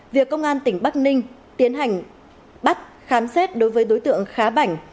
việc công an tỉnh bắc ninh tiến hành bắt khám xét đối với đối tượng khá bảnh